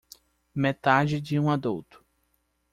Metade de um adulto